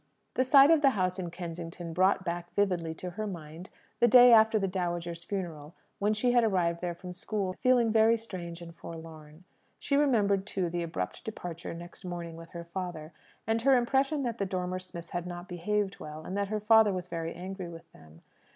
The sight of the house in Kensington brought back vividly to her mind the day after the dowager's funeral, when she had arrived there from school, feeling very strange and forlorn. She remembered, too, the abrupt departure next morning with her father, and her impression that the Dormer Smiths had not behaved well, and that her father was very angry with them.